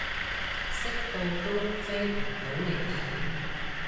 識到都飛唔到嚟睇